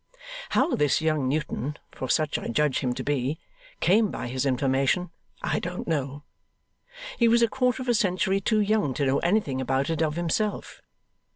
How this young Newton (for such I judge him to be) came by his information, I don't know; he was a quarter of a century too young to know anything about it of himself.